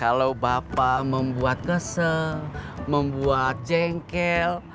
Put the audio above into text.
kalau bapak membuat keseng membuat jengkel